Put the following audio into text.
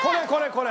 これ！